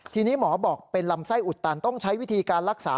ทีนี้หมอบอกเป็นลำไส้อุดตันต้องใช้วิธีการรักษา